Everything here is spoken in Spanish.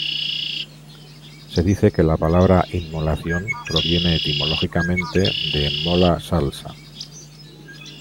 Se dice que la palabra inmolación proviene etimológicamente de "mola salsa